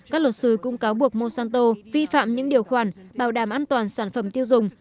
các luật sư cũng cáo buộc monsanto vi phạm những điều khoản bảo đảm an toàn sản phẩm tiêu dùng